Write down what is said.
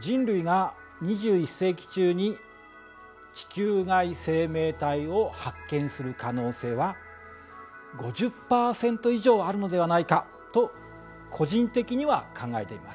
人類が２１世紀中に地球外生命体を発見する可能性は５０％以上あるのではないかと個人的には考えています。